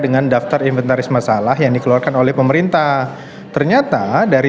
dengan daftar inventaris masalah yang dikeluarkan oleh pdi dan kemudian kemudian kita melihat ada dan